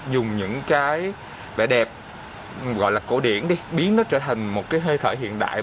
dùng những cái vẻ đẹp gọi là cổ điển đi biến nó trở thành một cái hơi thở hiện đại